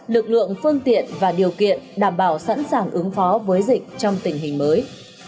lực lượng phương tiện và điều kiện đảm bảo sẵn sàng ứng phó với dịch trong tình hình mới